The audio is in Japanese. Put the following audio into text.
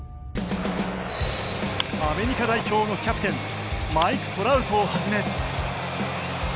アメリカ代表のキャプテンマイク・トラウトをはじめ。